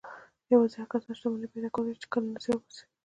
يوازې هغه کسان شتمني پيدا کولای شي چې کلونه زيار باسي.